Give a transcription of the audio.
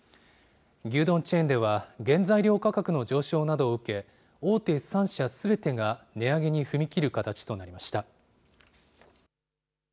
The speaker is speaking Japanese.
牛丼チェーンでは、原材料価格の上昇などを受け、大手３社すべてが値上げに踏み切る形となりました。